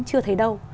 chưa thấy đâu